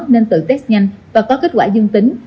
nên tự test nhanh và có kết quả dương tính